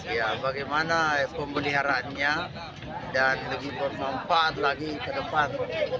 ya bagaimana pemeliharaannya dan lebih bermanfaat lagi ke depan